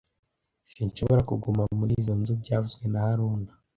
Sinshobora kuguma muri izoi nzu byavuzwe na haruna